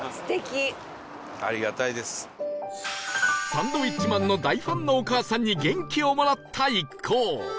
サンドウィッチマンの大ファンのお母さんに元気をもらった一行